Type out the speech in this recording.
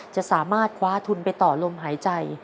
จะสามารถคว้าทุนไปต่อลมหายใจ